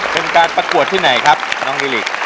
เป็นการประกวดที่ไหนครับน้องวิลิ